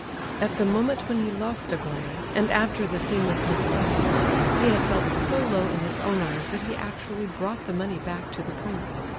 At the moment when he lost Aglaya, and after the scene with Nastasia, he had felt so low in his own eyes that he actually brought the money back to the prince.